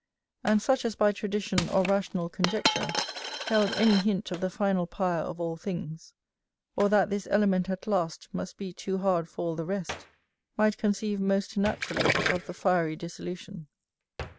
And such as by tradition or rational conjecture held any hint of the final pyre of all things; or that this element at last must be too hard for all the rest; might conceive most naturally of the fiery dissolution.